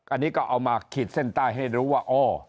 อันนี้ก็เอามาขีดเส้นใต้ให้รู้ว่าอ๋อ